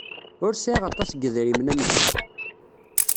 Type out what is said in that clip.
Ur sɛiɣ aṭas n yedrimen am gma.